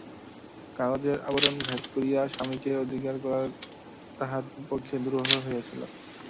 কাগজের আবরণ ভেদ করিয়া স্বামীকে অধিকার করা তাহার পক্ষে দুরূহ হইয়াছিল।